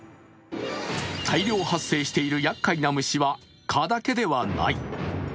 大量発生しているやっかいな虫は蚊だけではない。